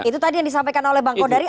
itu tadi yang disampaikan oleh bang kodari